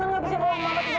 jangan abisin uang banget